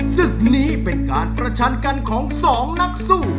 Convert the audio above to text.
ศึกนี้เป็นการประชันกันของสองนักสู้